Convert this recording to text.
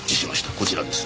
こちらです。